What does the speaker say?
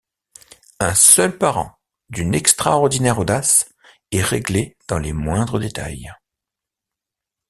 Un seul par an, d’une extraordinaire audace et réglé dans les moindres détails.